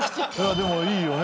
でもいいよね。